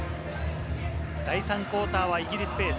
第３クオーターはイギリスペース。